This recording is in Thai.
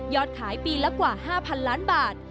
ขายปีละกว่า๕๐๐๐ล้านบาท